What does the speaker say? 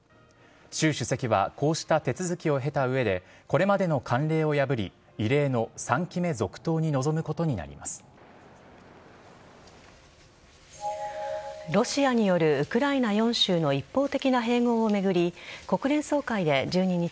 習主席はこうした手続きを経た上でこれまでの慣例を破り異例の３期目続投にロシアによるウクライナ４州の一方的な併合を巡り国連総会で１２日